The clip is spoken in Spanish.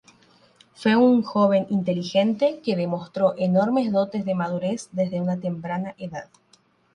Fue un joven inteligente que demostró enormes dotes de madurez desde una temprana edad.